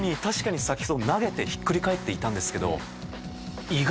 確かにさっき投げてひっくり返っていたんですけど。